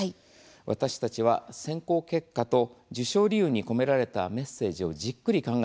私たちは選考結果と授賞理由に込められたメッセージをじっくり考え